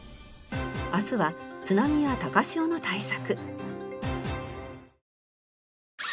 明日は津波や高潮の対策。